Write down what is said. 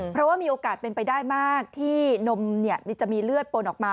เพราะว่ามีโอกาสเป็นไปได้มากที่นมจะมีเลือดปนออกมา